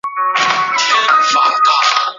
杂种鱼鳔槐为豆科鱼鳔槐属下的一个种。